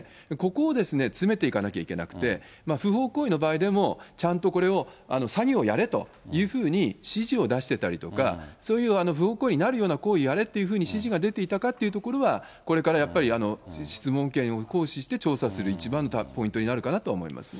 ここを詰めていかなきゃいけなくて、不法行為の場合でも、ちゃんとこれを、詐欺をやれというふうに、指示を出してたりとか、そういう不法行為になるようなことをやれっていうふうに指示が出ていたかっていうところは、これからやっぱり、質問権を行使して調査する一番のポイントになるかなと思います。